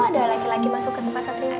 ada laki laki masuk ke tempat santri